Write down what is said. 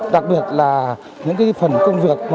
đặc biệt là những phần công việc